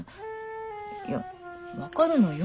いや分かるのよ